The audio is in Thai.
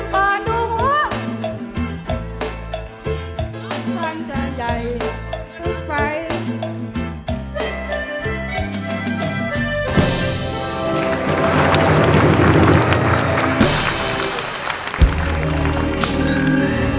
ขอดูหัวมันจะใจทุกใคร